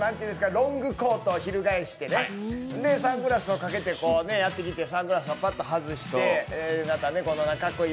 ロングコートを翻してサングラスをかけてやってきてサングラスをパッと外して、かっこいい。